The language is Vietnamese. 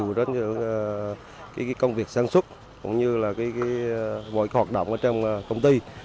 cái công việc sản xuất cũng như là mỗi hoạt động trong công ty